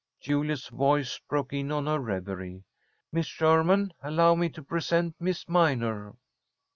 Juliet's voice broke in on her reverie. "Miss Sherman, allow me to present Miss Minor."